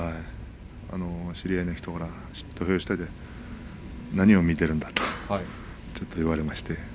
知り合いの人から土俵下で何を見ているんだと言われまして。